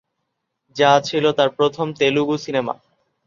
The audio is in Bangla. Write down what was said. যা ছিল তার প্রথম তেলুগু সিনেমা।